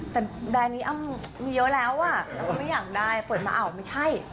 แต่แบรนด์นี้อ้ำมีเยอะแล้วอ่ะแล้วก็ไม่อยากได้เปิดมาอ้าวไม่ใช่